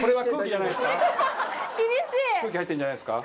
空気入ってるんじゃないですか？